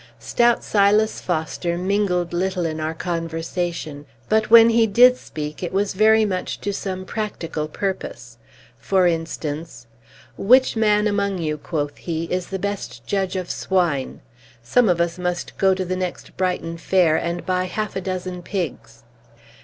Stout Silas Foster mingled little in our conversation; but when he did speak, it was very much to some practical purpose. For instance: "Which man among you," quoth he, "is the best judge of swine? Some of us must go to the next Brighton fair, and buy half a dozen pigs."